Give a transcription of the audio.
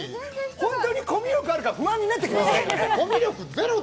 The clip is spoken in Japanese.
本当にコミュ力あるか不安になってきますね。